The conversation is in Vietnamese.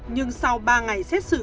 nhưng sau ba ngày xét xử